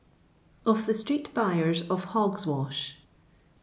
Of thb Street Bctkrs op Hogs' Wash.